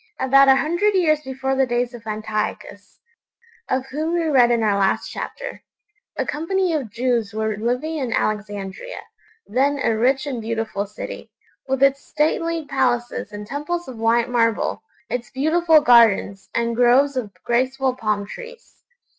About a hundred years before the days of Antiochus (of whom we read in our last chapter) a company of Jews were living in Alexandria, then a rich and beautiful city, with its stately palaces and temples of white marble, its beautiful gardens, and groves of graceful palm trees.